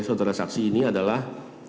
saudara saksi ini adalah